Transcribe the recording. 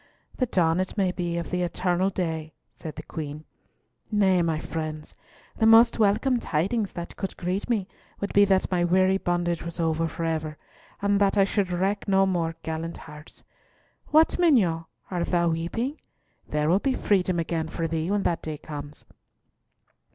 "The dawn, it may be, of the eternal day," said the Queen. "Nay, my friends, the most welcome tidings that could greet me would be that my weary bondage was over for ever, and that I should wreck no more gallant hearts. What, mignonne, art thou weeping? There will be freedom again for thee when that day comes."